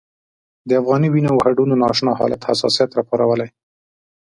د افغاني وینو او هډونو نا اشنا حالت حساسیت راپارولی.